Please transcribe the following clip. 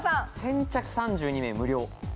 先着３２名無料。